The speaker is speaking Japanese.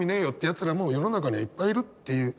やつらも世の中にはいっぱいいるっていう。